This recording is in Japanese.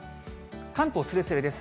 関東すれすれです。